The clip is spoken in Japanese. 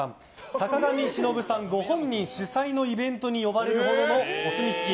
坂上忍さんご本人主催のイベントに呼ばれるほどのお墨付き。